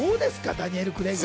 ダニエル・クレイグ。